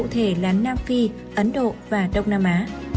cụ thể là nam phi ấn độ và đông nam á